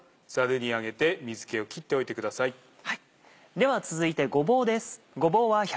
では続いてごぼうです。